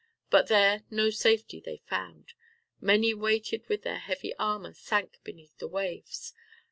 But there no safety they found. Many, weighted with their heavy armor, sank beneath the waves.